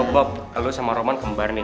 bob lalu sama roman kembar nih